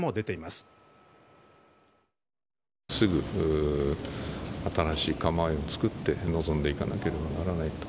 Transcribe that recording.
すぐ新しい構えを作って臨んでいかなければならないと。